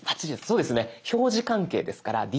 そうですね。